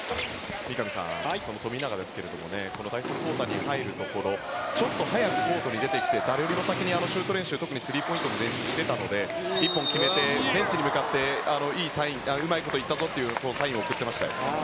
三上さん、その富永ですがこの第３クオーターに入るところちょっと早くコートに出てきて誰よりも先にシュート練習特にスリーポイントの練習をしていたので１本決めてベンチに向かってうまいこといったぞというサインを送っていました。